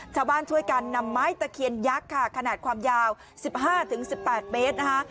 ชาวบ้านช่วยการนำไม้ตะเคียนยักษ์ค่ะขนาดความยาวสิบห้าถึงสิบแปดเมตรนะคะ